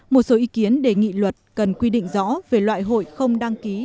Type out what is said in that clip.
một số ý kiến đề nghị luật cần quy định rõ về loại hội không đăng ký